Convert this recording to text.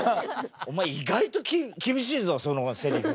お前意外と厳しいぞそのセリフ。